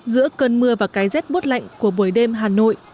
giữa cơn mưa và cái rét bút lạnh của buổi đêm hà nội